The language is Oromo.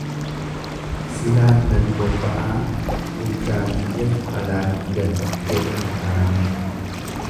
"""Silaa nan bobba'aa urgaa kiyyatu alaa hin galu"" jedhe tukaaniin."